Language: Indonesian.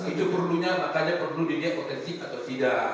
itu perlunya makanya perlu di niat autentik atau tidak